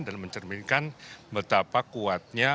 dan mencerminkan betapa kuatnya